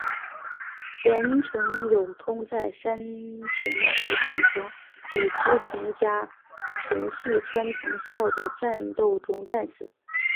岩成友通在山城国淀城与织田家臣细川藤孝的战斗中战死。